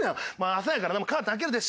朝やからなカーテン開けるで。